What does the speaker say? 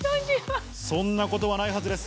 そんなことはないはずです。